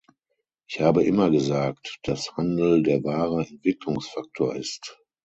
Ich habe immer gesagt, dass Handel der wahre Entwicklungsfaktor ist.